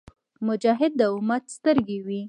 مجاهد د امت سترګې وي.